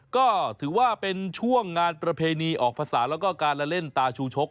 ก็ถือว่าเป็นช่วงงานประเพณีออกภาษาแล้วก็การละเล่นตาชูชก